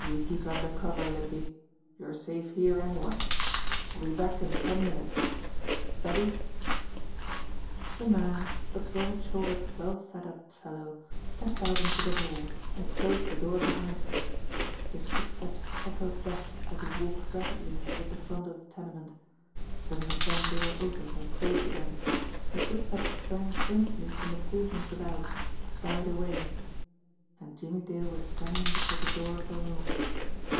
You keep under cover, Limpy. You're safe here anyway. I'll be back in ten minutes. Savvy?" The man, a broad shouldered, well set up fellow, stepped out into the hall, and closed the door behind him. His foot steps echoed back as he walked rapidly toward the front of the tenement ; then the front door opened and closed again ; the footsteps rang faintly from the pavement without, died away and Jimmie Dale was standing before the door of the room.